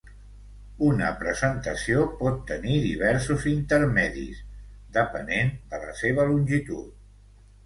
Una presentació pot tenir diversos intermedis, depenent de la seva longitud.